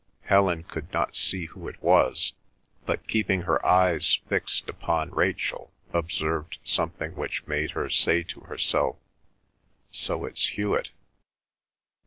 Helen could not see who it was, but keeping her eyes fixed upon Rachel observed something which made her say to herself, "So it's Hewet."